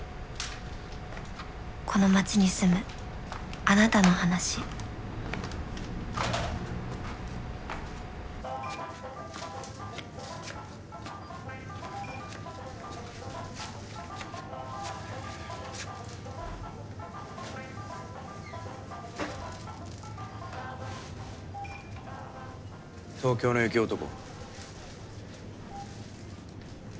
この町に住むあなたの話東京の雪男。